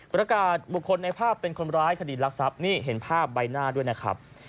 ประกาศบุคคลในภาพเป็นคนร้ายคดีรักทรัพย์นี่เห็นภาพใบหน้าด้วยนะครับ